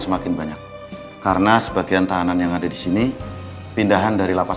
semakin banyak karena sebagian tahanan yang ada di sini pindahan dari lapas